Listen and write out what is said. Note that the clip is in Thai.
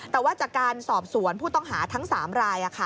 แต่ว่าจากการสอบสวนผู้ต้องหาทั้ง๓ราย